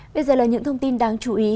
bây giờ là những thông tin đáng chú ý